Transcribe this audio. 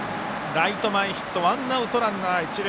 ライト前ヒットワンアウト、ランナー、一塁。